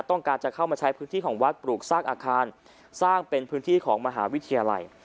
ต้องการจะเข้ามาใช้พื้นที่ของวัดปลูกสร้างอาคารสร้างเป็นพื้นที่ของมหาวิทยาลัย